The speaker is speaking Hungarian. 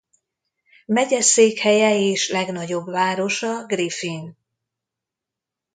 Megyeszékhelye és legnagyobb városa Griffin.